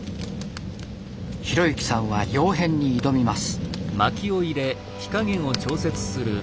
浩之さんは窯変に挑みます。